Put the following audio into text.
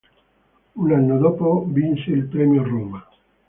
Un anno dopo vinse il premio Roma.